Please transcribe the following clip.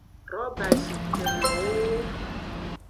Robazikpenlowo nge.